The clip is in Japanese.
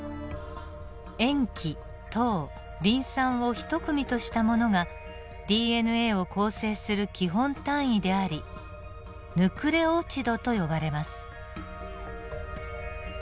塩基糖リン酸を一組としたものがＤＮＡを構成する基本単位でありヌクレオチドと呼ばれます。